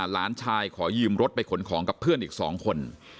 ผอยืมรถไปขนของกับเพื่อนอีกสองคน